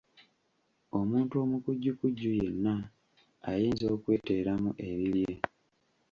Omuntu omukujjukujju yenna ayinza okweteeramu ebibye.